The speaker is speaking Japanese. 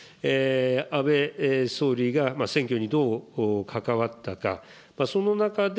安倍総理が選挙にどう関わったか、その中で、